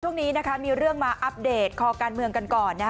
ช่วงนี้มีเรื่องมาอัปเดตคอการเมืองกันก่อน